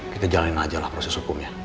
kita jalanin aja lah proses hukumnya